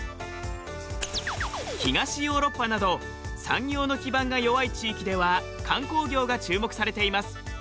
東ヨーロッパなど産業の基盤が弱い地域では観光業が注目されています。